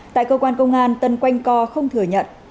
tại cơ quan công an tân quanh co không thừa nhận